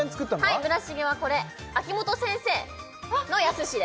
はい村重はこれ秋元先生のやすしです